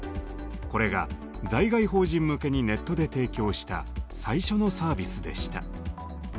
これが在外邦人向けにネットで提供した最初のサービスでした。